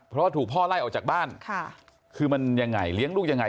เพราะว่าถูกพ่อไล่ออกจากบ้านค่ะคือมันยังไงเลี้ยงลูกยังไง